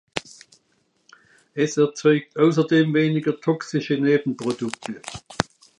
Es erzeugt außerdem weniger toxische Nebenprodukte.